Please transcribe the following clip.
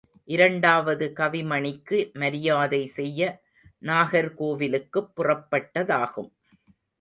இரண்டாவது கவிமணிக்கு மரியாதை செய்ய நாகர்கோவிலுக்குப் புறப்பட்டதாகும்.